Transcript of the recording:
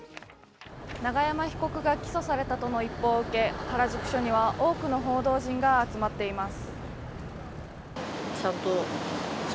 永山被告が起訴されたとの一報を受け原宿署には多くの報道陣が集まっています。